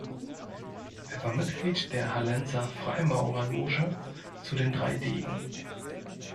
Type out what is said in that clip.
Er war Mitglied der Hallenser Freimaurerloge „Zu den drei Degen“.